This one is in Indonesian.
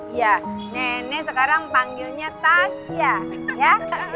iya nenek sekarang panggilnya tas ya